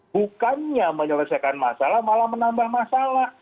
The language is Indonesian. bukannya menyelesaikan masalah malah menambah masalah